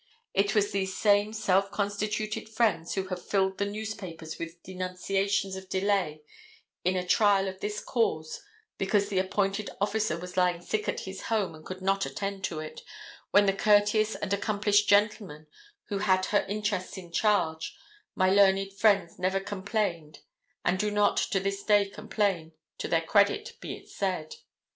It was these same self constituted friends who have filled the newspapers with denunciations of delay in a trial of this cause because the appointed officer was lying sick at his home and could not attend to it, when the courteous and accomplished gentlemen, who had her interests in charge, my learned friends never complained and do not to this day complain, to their credit be it said.